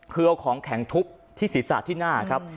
คือเอาของแข็งทุบที่ศีรษะที่หน้าครับ